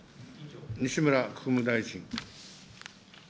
西村国務大臣。